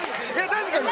確かに。